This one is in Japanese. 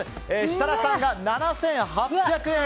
設楽さんが７８００円。